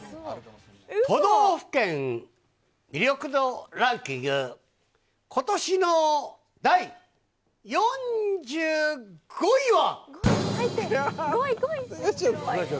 都道府県魅力度ランキング、ことしの第４５位は。